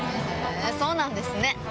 そうなんですね。